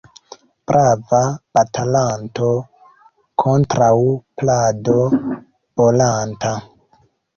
Brava batalanto kontraŭ plado bolanta.